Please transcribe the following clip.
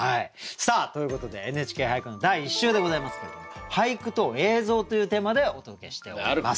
さあということで「ＮＨＫ俳句」の第１週でございますけれども「俳句と映像」というテーマでお届けしております。